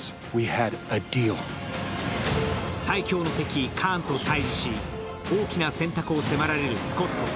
最凶の敵カーンと対峙し、大きな選択を迫られるスコット。